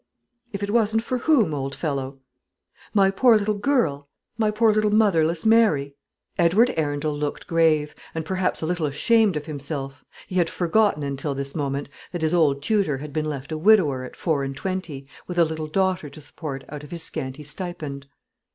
"If it wasn't for whom, old fellow?" "My poor little girl; my poor little motherless Mary." Edward Arundel looked grave, and perhaps a little ashamed of himself. He had forgotten until this moment that his old tutor had been left a widower at four and twenty, with a little daughter to support out of his scanty stipend.